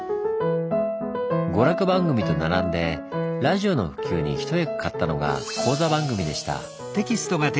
娯楽番組と並んでラジオの普及に一役買ったのが講座番組でした。